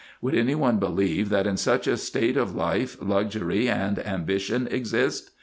Would any one believe, that in such a state of life luxury and ambition exist ?